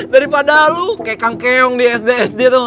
daripada lu kayak kang keong di sd sd tuh